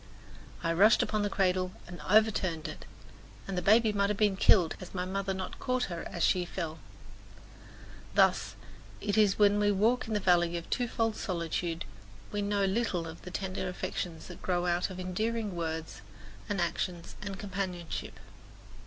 I rushed upon the cradle and over turned it, and the baby might have been killed had my mother not caught her as she fell. Thus it is that when we walk in the valley of twofold solitude we know little of the tender affections that grow out of endearing words and actions and companionship.